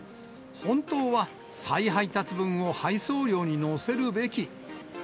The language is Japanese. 本当は再配達分を配送料に乗せるべき。